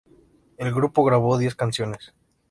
El grupo grabó diez canciones.